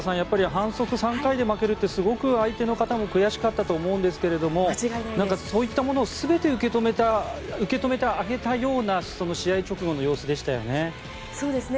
反則３回で負けるってすごく相手の方も悔しかったと思うんですけどそういったものを全て受け止めてあげたような試合直後の様子でしたね。